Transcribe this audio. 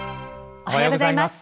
おはようございます。